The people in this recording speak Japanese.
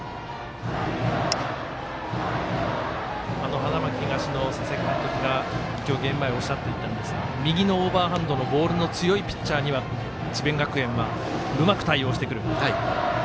花巻東の佐々木監督が今日のゲーム前おっしゃっていたんですが右のオーバーハンドのボールの強いピッチャーには智弁学園はうまく対応してくる。